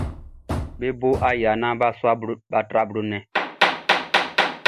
Be bo aya naan bʼa tra blo nnɛn.